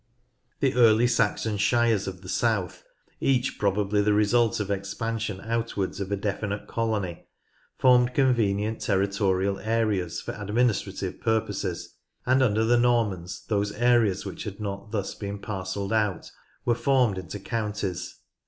The earl) Saxon "shires" of the south, each probably the result of expansion outwards of a definite colony, formed convenient territorial areas for administrative purposes, and under the Normans those areas which had not thus been parcelled out were formed into counties.